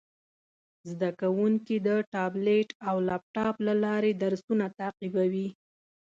زده کوونکي د ټابلیټ او لپټاپ له لارې درسونه تعقیبوي.